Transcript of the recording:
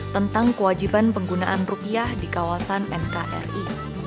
tentang kewajiban penggunaan rupiah di kawasan nkri